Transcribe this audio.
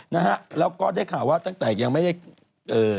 นะฮะแล้วก็ได้ข่าวว่าตั้งแต่ยังไม่ได้เอ่อ